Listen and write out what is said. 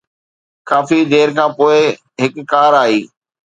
ڪافي دير کان پوءِ هڪ ڪار آئي.